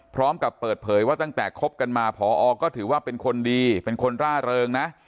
พร้อมกับเปิดเผยว่าตั้งแต่คบกันมาพอก็ถือว่าเป็นคนดีเป็นคนร่าเริงนะ